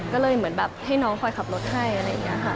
ก็เลยเหมือนแบบให้น้องคอยขับรถให้อะไรอย่างนี้ค่ะ